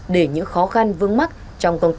để những khó khăn vương mắc